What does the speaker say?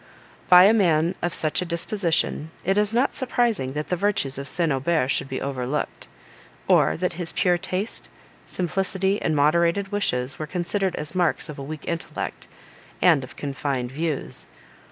By a man of such a disposition, it is not surprising that the virtues of St. Aubert should be overlooked; or that his pure taste, simplicity, and moderated wishes, were considered as marks of a weak intellect, and of confined views.